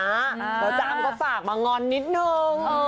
แล้วจ้ำก็ฝากมางอนนิดนึง